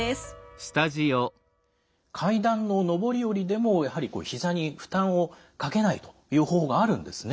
階段の上り下りでもやはりひざに負担をかけないという方法があるんですね。